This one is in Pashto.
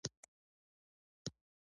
امید او هڅه د بریا کیلي ده